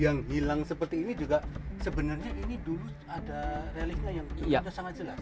yang hilang seperti ini juga sebenarnya ini dulu ada ralingnya yang sangat jelas